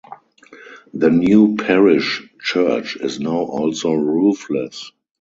The new parish church is now also roofless.